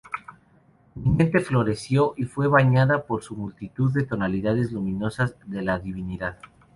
Mi mente floreció y fue bañada por multitud de tonalidades luminosas de la Divinidad"".